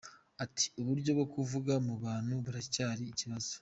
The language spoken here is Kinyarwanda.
Ati “Uburyo bwo kuvugira mu bantu buracyari ikibazo.